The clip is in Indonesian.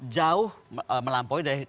jauh melampaui dari